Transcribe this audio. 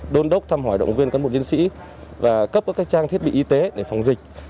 đôn đốc thăm hỏi động viên cán bộ chiến sĩ và cấp các trang thiết bị y tế để phòng dịch